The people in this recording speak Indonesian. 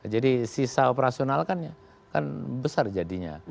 jadi sisa operasional kan besar jadinya